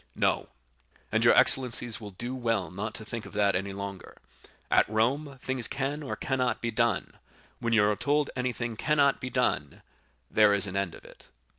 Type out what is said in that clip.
"No; and your excellencies will do well not to think of that any longer; at Rome things can or cannot be done; when you are told anything cannot be done, there is an end of it."